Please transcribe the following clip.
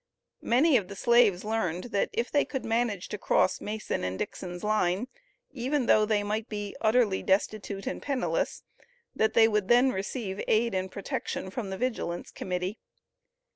Many of the slaves learned if they could manage to cross Mason and Dixon's line, even though they might be utterly destitute and penniless, that they would then receive aid and protection from the Vigilance Committee.